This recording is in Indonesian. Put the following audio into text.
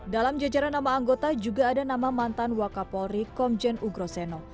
dalam jajaran nama anggota juga ada nama mantan wakapolri komjen ugroseno